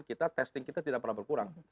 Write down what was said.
kita testing kita tidak pernah berkurang